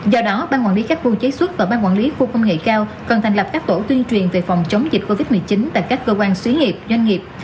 do đó ban quản lý các khu chế xuất và ban quản lý khu công nghệ cao còn thành lập các tổ tuyên truyền về phòng chống dịch covid một mươi chín tại các cơ quan xí nghiệp doanh nghiệp